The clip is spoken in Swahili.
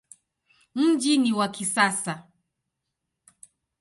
Mji ni wa kisasa.